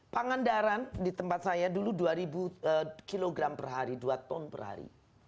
pangan daran di tempat saya dulu dua kilogram per hari dua ton per hari